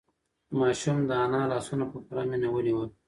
ماشوم د انا لاسونه په پوره مینه ونیول.